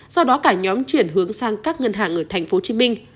do đó cả nhóm chuyển hướng sang các ngân hàng ở tp hcm